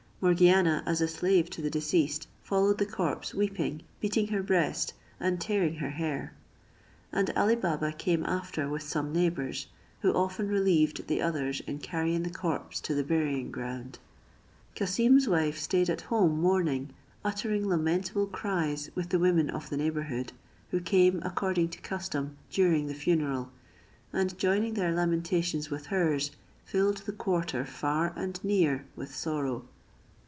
Morgiana, as a slave to the deceased, followed the corpse, weeping, beating her breast, and tearing her hair: and Ali Baba came after with some neighbours, who often relieved the others in carrying the corpse to the burying ground. Cassim's wife stayed at home mourning, uttering lamentable cries with the women of the neighbourhood, who came according to custom during the funeral, and joining their lamentations with hers, filled the quarter far and near with sorrow.